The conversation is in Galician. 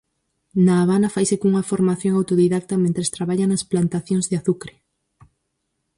Na Habana faise cunha formación autodidacta mentres traballa nas plantacións de azucre.